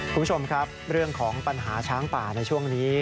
คุณผู้ชมครับเรื่องของปัญหาช้างป่าในช่วงนี้